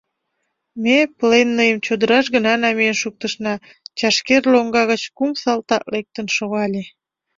Ме пленныйым чодыраш гына намиен шуктышна — чашкер лоҥга гыч кум салтак лектын шогале.